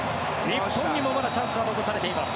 日本にもまだチャンスは残されています。